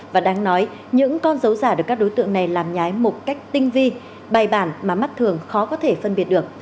và đáng nói những con dấu giả được các đối tượng này làm nhái một cách tinh vi bài bản mà mắt thường khó có thể phân biệt được